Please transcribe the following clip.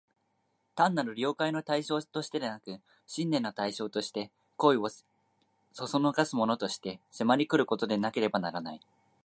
単なる了解の対象としてでなく、信念の対象として、行為を唆すものとして、迫り来ることでなければならない。